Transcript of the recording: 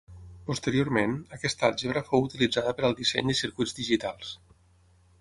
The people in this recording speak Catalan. Posteriorment, aquesta àlgebra fou utilitzada per al disseny de circuits digitals.